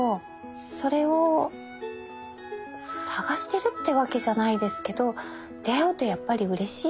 それを探してるってわけじゃないですけど出会うとやっぱりうれしいですよね。